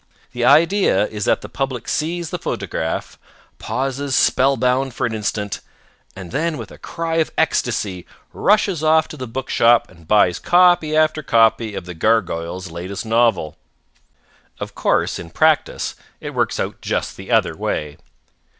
The idea is that the public sees the photograph, pauses spell bound for an instant, and then with a cry of ecstasy rushes off to the book shop and buys copy after copy of the gargoyle's latest novel. Of course, in practice, it works out just the other way.